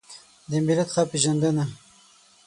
د ملت ښه پېژندنه